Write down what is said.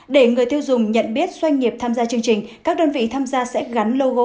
để người tiêu dùng nhận biết doanh nghiệp tham gia chương trình các đơn vị tham gia sẽ gắn logo